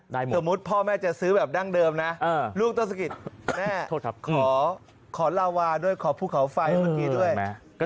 สมมติพ่อแม่จะซื้อดั่งเดิมนะลูกต้นสกิดขอลาวาและผู้เขาไฟมากยังไง